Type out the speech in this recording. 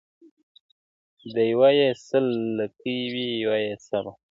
د يوه يې سل لكۍ وې يو يې سر وو!